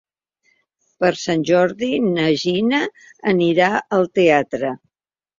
Per Sant Jordi na Gina anirà al teatre.